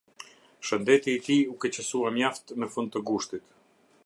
Shëndeti i tij u keqësua mjaft në fund të gushtit.